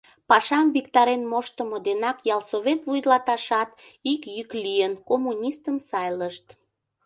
Пашам виктарен моштымо денак ялсовет вуйлаташат, ик йӱк лийын, коммунистым сайлышт.